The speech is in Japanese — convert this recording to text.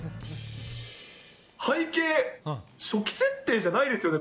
背景、初期設定じゃないですよね。